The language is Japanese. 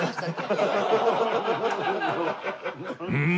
うん？